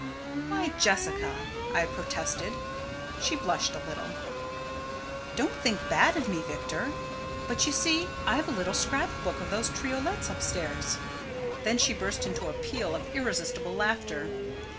"Why, Jessica!" I protested. She blushed a little. "Don't think bad of me, Victor. But, you see, I've a little scrap book of those triolets upstairs." Then she burst into a peal of irresistible laughter.